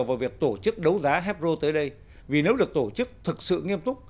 vào việc tổ chức đấu giá hepro tới đây vì nếu được tổ chức thực sự nghiêm túc